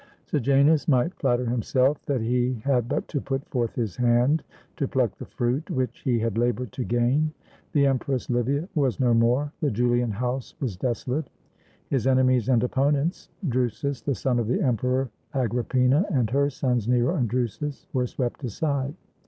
] Sejanus might flatter himself that he had but to put forth his hand to pluck the fruit which he had labored to gain. The Empress Li via was no more; the Julian house was desolate. His enemies and opponents — Drusus, the son of the emperor, Agrippina and her sons Nero and Drusus — were swept aside.